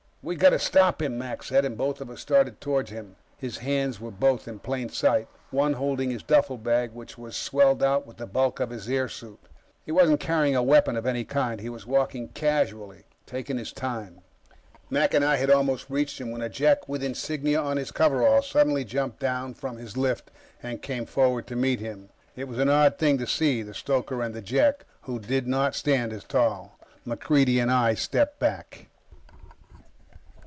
"We've got to stop him," Mac said, and both of us started toward him. His hands were both in plain sight, one holding his duffelbag, which was swelled out with the bulk of his airsuit. He wasn't carrying a weapon of any kind. He was walking casually, taking his time. Mac and I had almost reached him when a Jek with insignia on his coveralls suddenly jumped down from his lift and came forward to meet him. It was an odd thing to see the stoker, and the Jek, who did not stand as tall. MacReidie and I stepped back.